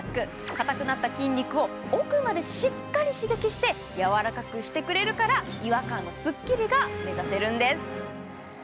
硬くなった筋肉を奥までしっかり刺激して柔らかくしてくれるから、違和感すっきりが目指せるんです。